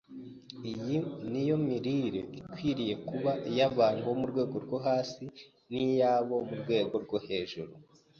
Iyi ni yo mirire ikwiriye kuba iy’abantu bo mu rwego rwo hasi n’iy’abo mu rwego rwo hejuru.